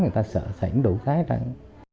người ta sợ sẽ đủ khái trắng